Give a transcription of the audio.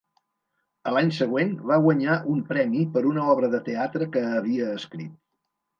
A l’any següent va guanyar un premi per una obra de teatre que havia escrit.